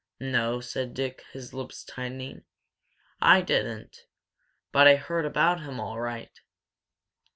"No," said Dick, his lips tightening, "I didn't! But I heard about him, all right."